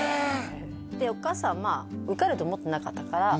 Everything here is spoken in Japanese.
でお母さんまあ受かると思ってなかったから